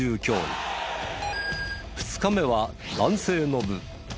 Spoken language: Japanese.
２日目は男性の部。